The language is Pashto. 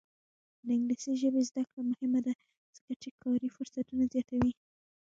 د انګلیسي ژبې زده کړه مهمه ده ځکه چې کاري فرصتونه زیاتوي.